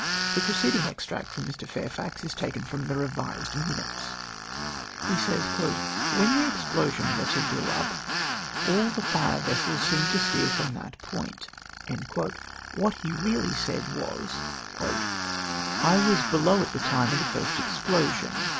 The preceding extract from Mr. Faiifax is taken from the " revised " minutes. He says :" When the explosion vessel hlew up all the fire vessels seemed to steer from that point. What lie really said Avas, "/ ?/;a,s' below at the time of the first explosion